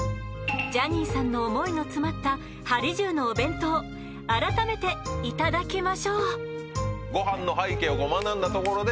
ジャニーさんの想いの詰まった「はり重」のお弁当改めていただきましょう。